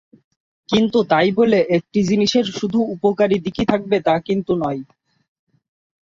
কিন্তু তাই বলে একটি জিনিসের শুধু উপকারী দিকই থাকবে তা কিন্তু নয়।